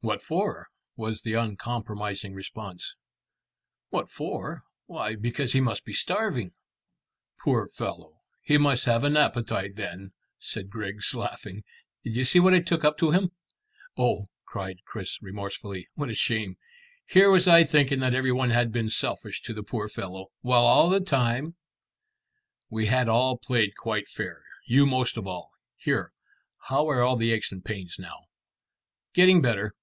"What for?" was the uncompromising response. "What for? Why, because he must be starving." "Poor fellow! He must have an appetite then," said Griggs, laughing. "Did you see what I took up to him?" "Oh," cried Chris remorsefully. "What a shame! Here was I thinking that every one had been selfish to the poor fellow, while all the time " "We had all played quite fair you most of all. Here, how are all the aches and pains now?" "Getting better.